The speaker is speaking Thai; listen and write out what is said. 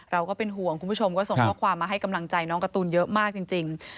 เราก็เป็นห่วงคุณผู้ชมก็ส่งข้อความมาให้กำลังใจน้องการ์ตูนเยอะมากจริง